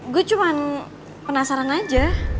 gue cuman penasaran aja